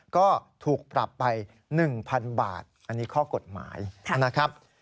ก็ถูกปรับไป๑๐๐๐บาทอันนี้ข้อกฎหมายนะครับ